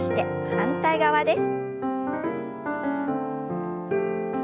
反対側です。